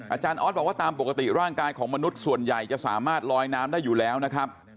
อาจารย์ออสบอกว่าตามปกติร่างกายของมนุษย์ส่วนใหญ่จะสามารถลอยน้ำได้อยู่แล้วนะครับ